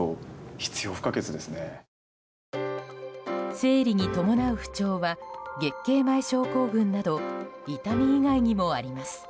生理に伴う不調は月経前症候群など痛み以外にもあります。